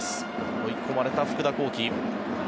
追い込まれた福田光輝。